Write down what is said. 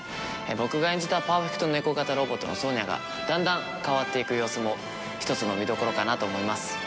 ボクが演じたパーフェクトネコ型ロボットのソーニャがだんだん変わっていく様子もひとつの見どころかなと思います。